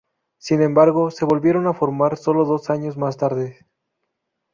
Sin embargo, se volvieron a formar sólo dos años más tarde.